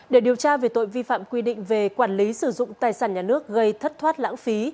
để điều tra về tội vi phạm quy định về quản lý sử dụng tài sản nhà nước gây thất thoát lãng phí